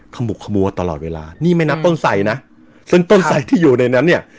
ขมุกขมัวตลอดเวลานี่ไม่นับต้นไสนะซึ่งต้นไสที่อยู่ในนั้นเนี่ย